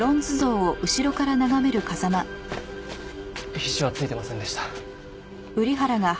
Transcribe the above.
皮脂は付いてませんでした。